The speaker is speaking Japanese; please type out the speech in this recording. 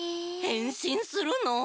へんしんするの？